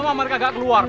lama mereka gak keluar